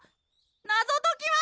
⁉謎ときは？